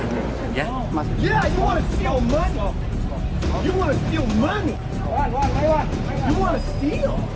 anda ingin mencuri